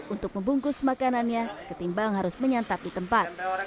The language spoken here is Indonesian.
untuk membungkus makanannya ketimbang harus menyantap di tempat